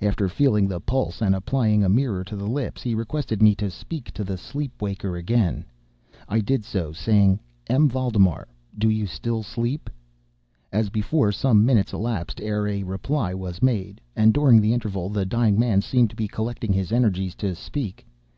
After feeling the pulse and applying a mirror to the lips, he requested me to speak to the sleep waker again. I did so, saying: "M. Valdemar, do you still sleep?" As before, some minutes elapsed ere a reply was made; and during the interval the dying man seemed to be collecting his energies to speak.